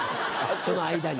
その間に。